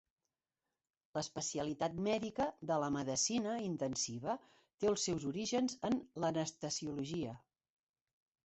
L'especialitat mèdica de la medicina intensiva té els seus orígens en l'anestesiologia.